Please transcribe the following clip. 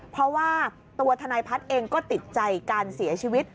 เพราะว่าตัวทนายพัฒน์เองก็ติดใจการเสียชีวิต